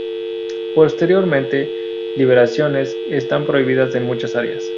Posteriores liberaciones están prohibidas en muchas áreas.